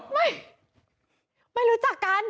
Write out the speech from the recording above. ไม่ไม่รู้จักกัน